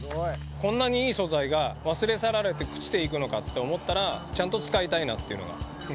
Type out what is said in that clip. こんなにいい素材が、忘れ去られて朽ちていくのかって思ったら、ちゃんと使いたいなっていうのが。